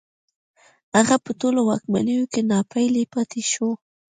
هغه په ټولو واکمنيو کې ناپېيلی پاتې شو